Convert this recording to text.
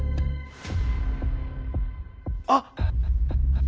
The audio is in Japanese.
あっ！